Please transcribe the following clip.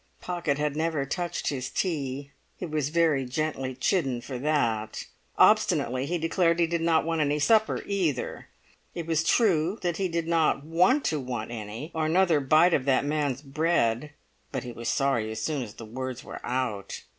Pocket had never touched his tea; he was very gently chidden for that. Obstinately he declared he did not want any supper either: it was true he did not want to want any, or another bite of that man's bread, but he was sorry as soon as the words were out.